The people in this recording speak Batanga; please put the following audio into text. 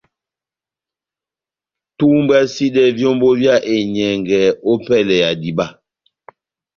Tumbwasidɛ vyómbo vyá enyɛngɛ opɛlɛ ya diba.